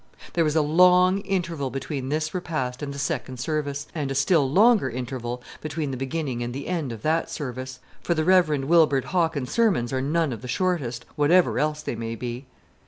There is a long interval between this repast and the second service, and a still longer interval between the beginning and the end of that service; for the Rev. Wibird Hawkins's sermons are none of the shortest, whatever else they may be.